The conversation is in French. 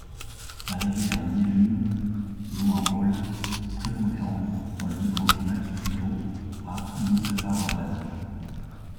La rivière Neelum joue un rôle prépondérant dans le micro-climat qui prévaut à Muzaffarabad.